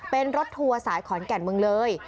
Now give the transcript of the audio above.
เป็นรถทัวร์สายขอนแก่นเมืองเลย